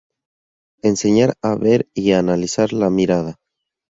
Enseñar a ver, y a analizar la mirada.